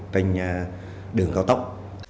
trên đường cao tốc